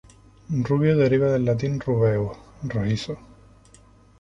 Rubio deriva del latín rubeus, rojizo.